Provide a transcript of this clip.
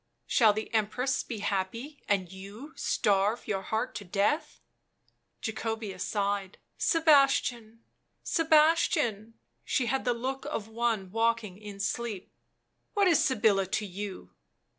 " Shall the Empress be happy and you starve your heart to death?" Jacobea sighed. " Sebastian ! Sebastian !" She had the look of one walking in sleep. "What is Sybilla to you?"